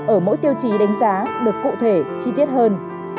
ở mỗi tiêu chí đánh giá được cụ thể chi tiết hơn